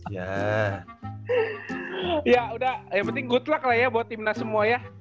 ya udah yang penting good luck lah ya buat timnas semua ya